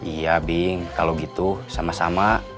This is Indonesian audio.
iya bing kalau gitu sama sama